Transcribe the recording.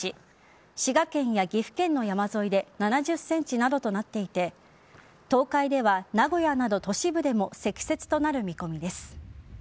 滋賀県や岐阜県の山沿いで７０ｃｍなどとなっていて東海では名古屋など都市部でも積雪となる見込みです。